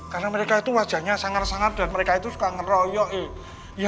karena mereka itu wajahnya sangar sangar dan mereka itu suka ngeroyok iya